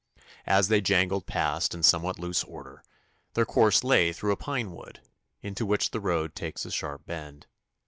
As they jangled past in somewhat loose order, their course lay through a pine wood, into which the road takes a sharp bend.